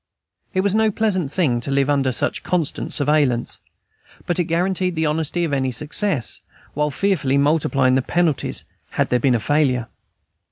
It was no pleasant thing to live under such constant surveillance; but it guaranteed the honesty of any success, while fearfully multiplying the penalties had there been a failure.